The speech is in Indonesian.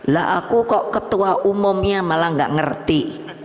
lah aku kok ketua umumnya malah gak ngerti